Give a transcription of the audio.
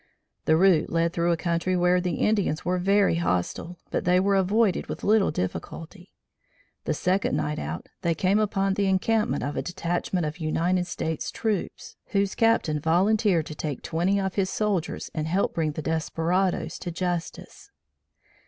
The route led through a country where the Indians were very hostile, but they were avoided with little difficulty. The second night out, they came upon the encampment of a detachment of United States troops, whose captain volunteered to take twenty of his soldiers and help bring the desperadoes to justice.